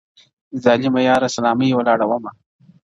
ظالمه یاره سلامي ولاړه ومه-